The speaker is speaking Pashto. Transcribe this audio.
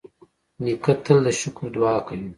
نیکه تل د شکر دعا کوي.